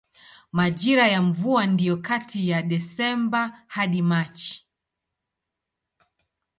Majira ya mvua ndiyo kati ya Desemba hadi Machi.